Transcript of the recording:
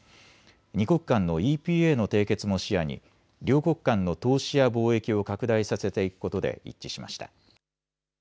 ２国間のＥＰＡの締結も視野に両国間の投資や貿易を拡大させていくことで一致しました。